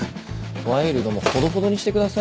ワイルドもほどほどにしてくださいよ。